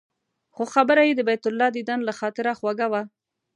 خو خبره یې د بیت الله دیدن له خاطره خوږه وه.